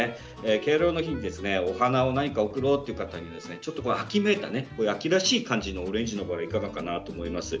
敬老の日にお花を何か贈ろうという方にちょっと秋めいた秋らしい感じのオレンジのバラいかがかなと思います。